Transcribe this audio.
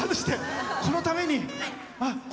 このために。